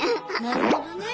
なるほどね。